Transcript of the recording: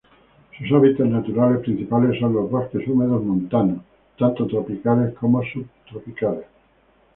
Sus hábitats naturales principales son los bosques húmedos montanos, tanto tropicales como subtropicales.